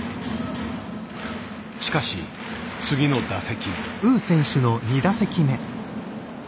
しかし次の打席。